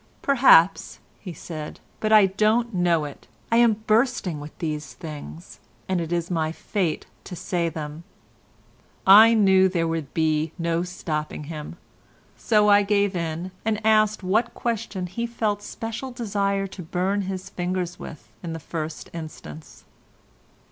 "Perhaps," said he, "but I don't know it; I am bursting with these things, and it is my fate to say them." I knew there would be no stopping him, so I gave in and asked what question he felt a special desire to burn his fingers with in the first instance.